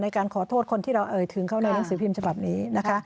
การขอโทษคนที่เราเอ่ยถึงเขาในหนังสือพิมพ์ฉบับนี้นะคะ